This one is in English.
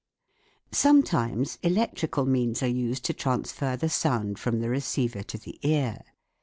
Sometimes electrical means are used to transfer the sound from the receiver to the ear.